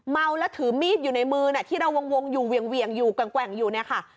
เมาแล้วถือมีดอยู่ในมือที่เราวงอยู่เวียงอยู่แกว่งอยู่เนี่ยค่ะ